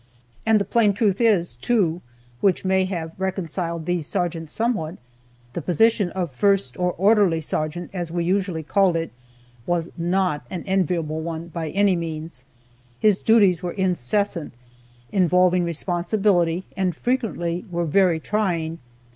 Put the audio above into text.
And the plain truth is, too, which may have reconciled these sergeants somewhat, the position of first or orderly sergeant, as we usually called it, was not an enviable one, by any means. His duties were incessant, involving responsibility, and frequently were very trying.